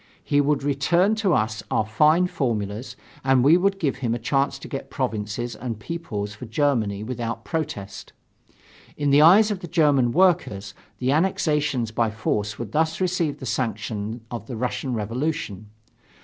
He would return to us our fine formulas and we should give him a chance to get provinces and peoples for Germany without a protest. In the eyes of the German workers, the annexations by force would thus receive the sanction of the Russian Revolution.